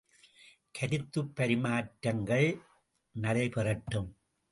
கருத்துப் பரிமாற்றங்கள் நடை பெறட்டும்!